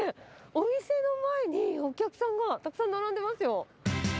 お店の前にお客さんがたくさん並んでますよ。